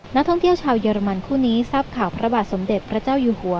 นักท่องเที่ยวชาวเยอรมันคู่นี้ทราบข่าวพระบาทสมเด็จพระเจ้าอยู่หัว